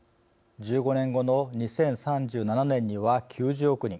１５年後の２０３７年には、９０億人